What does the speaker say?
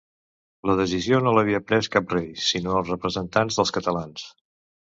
La decisió no l’havia pres cap rei, sinó els representants dels catalans.